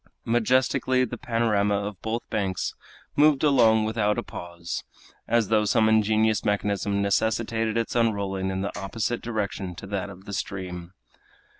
Majestically the panorama of both banks moved along without a pause, as though some ingenious mechanism necessitated its unrolling in the opposite direction to that of the stream.